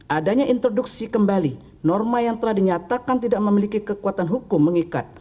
adanya introduksi kembali norma yang telah dinyatakan tidak memiliki kekuatan hukum mengikat